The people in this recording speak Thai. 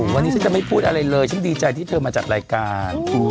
วันนี้ฉันจะไม่พูดอะไรเลยฉันดีใจที่เธอมาจัดรายการ